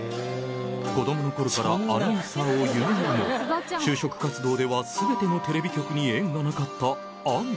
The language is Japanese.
子供のころからアナウンサーを夢見るも就職活動では全てのテレビ局に縁がなかったアンちゃん。